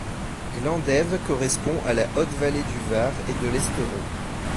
Glandèves correspond à la haute vallée du Var et de l'Estéron.